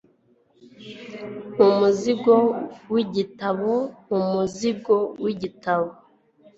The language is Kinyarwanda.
Mu muzingo w’igitabo Mu muzingo w’igitabo